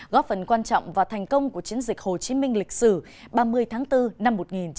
góp phần quan trọng và thành công của chiến dịch hồ chí minh lịch sử ba mươi tháng bốn năm một nghìn chín trăm bảy mươi năm